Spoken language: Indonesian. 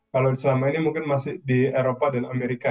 kalau selama ini mungkin masih di eropa dan amerika